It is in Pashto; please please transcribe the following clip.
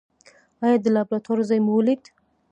ایا د لابراتوار ځای مو ولید؟